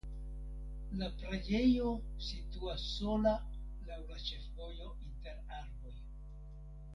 La preĝejo situas sola laŭ la ĉefvojo inter arboj.